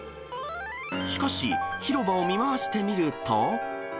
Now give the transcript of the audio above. しかし、広場を見回してみると。